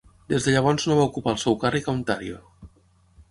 Des de llavors no va ocupar el seu càrrec a Ontario.